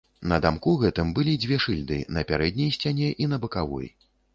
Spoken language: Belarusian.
На дамку гэтым былі дзве шыльды на пярэдняй сцяне і на бакавой.